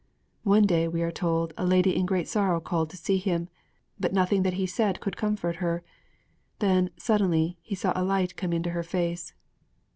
_' One day, we are told, a lady in great sorrow called to see him. But nothing that he said could comfort her. Then, suddenly, he saw a light come into her face.